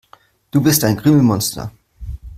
Du bist ein Krümelmonster.